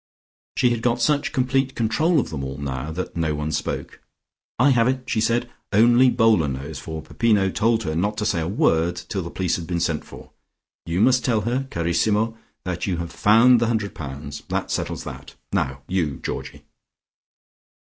She had got such complete control of them all now that no one spoke. "I have it," she said. "Only Boaler knows, for Peppino told her not to say a word till the police had been sent for. You must tell her, carissimo, that you have found the hundred pounds. That settles that. Now you, Georgie."